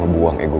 gue udah nyampe lo